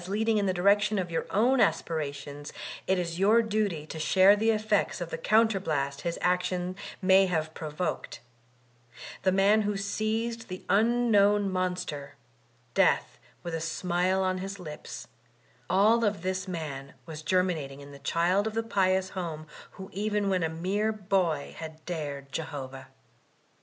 Lum 269 leadiQg in the direction of your own aspirations, it is your duty to share the effects of the counterblast his action may have provoked ; the man who seized the un known Monster, Death, with a smile on his lips^^l of this roan was germinating in the child of the pious home who even when a mere boy had dared Jehovah.